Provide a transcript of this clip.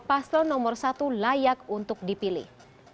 paslon nomor satu layak untuk dipilih